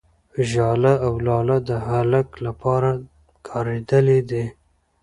، ژاله او لاله د هلک لپاره کارېدلي دي.